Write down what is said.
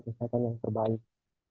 kesehatan yang terbaik